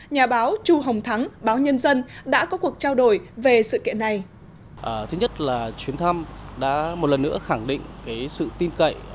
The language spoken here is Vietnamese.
nhà báo chu hồng thắng báo nhân dân đã có cuộc trao đổi về sự kiện này